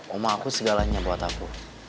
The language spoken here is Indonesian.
oma aku segalanya buat aku